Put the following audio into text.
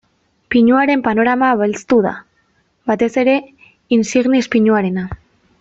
Pinuaren panorama belztu da, batez ere insignis pinuarena.